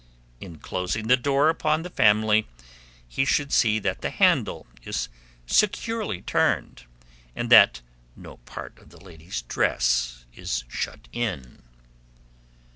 In closing the door upon the family, he should see that the handle is securely turned, and that no part of the ladies' dress is shut in.